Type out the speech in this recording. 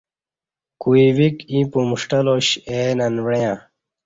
کوئی ویک ییں پمݜٹہ لاش اے ننوعݩہ